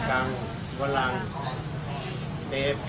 ขอบคุณครับ